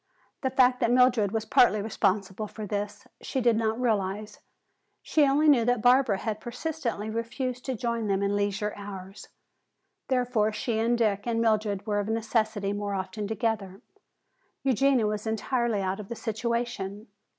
The fact that Mildred was partly responsible for this, she did not realize. She only knew that Barbara had persistently refused to join them in leisure hours. Therefore she and Dick and Mildred were of necessity more often together; Eugenia was entirely out of the situation.